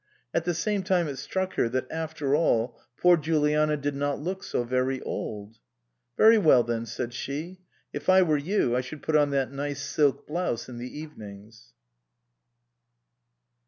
At the same time it struck her that after all poor Juliana did not look so very old. " Very well then," said she, " if I were you I should put on that nice silk blouse in the even ings."